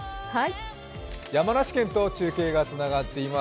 山梨県と中継がつながっています。